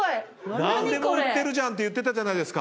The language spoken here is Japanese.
「何でも売ってるじゃん」って言ってたじゃないですか。